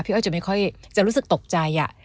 พี่เอาจำไม่ค่อยจะรู้สึกตกใจ